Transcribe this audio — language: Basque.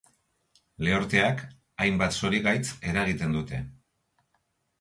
Lehorteak hainbat zorigaitz eragiten dute.